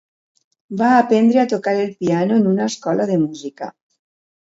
Va aprendre a tocar el piano en una escola de música.